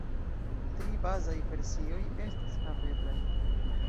Tri bazaj versioj estas haveblaj.